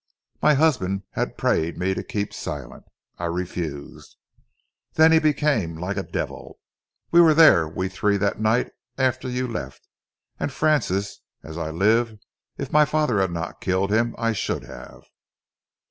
My husband had prayed me to keep silent. I refused. Then he became like a devil. We were there, we three, that night after you left, and Francis, as I live, if my father had not killed him, I should have!"